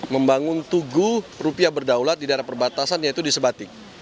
membangun tugu rupiah berdaulat di daerah perbatasan yaitu di sebatik